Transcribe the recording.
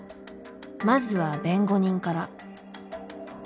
まずは弁護人から。